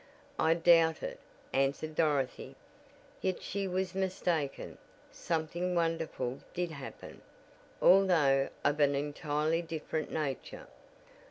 "I doubt it," answered Dorothy; yet she was mistaken; something wonderful did happen, although of an entirely different nature.